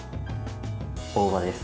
大葉です。